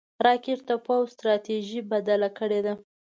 راکټ د پوځ ستراتیژي بدله کړې ده